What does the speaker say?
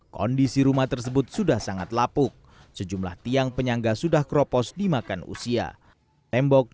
kondisi rumah tersebut sudah sangat lapuk sejumlah tiang penyangga sudah kropos dimakan usia tembok